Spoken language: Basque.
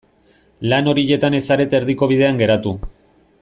Lan horietan ez zarete erdiko bidean geratu.